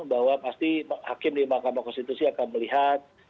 bahwa pasti hakim di mahkamah konstitusi akan melihat